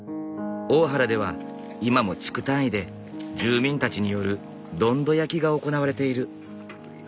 大原では今も地区単位で住民たちによるどんど焼きが行われている。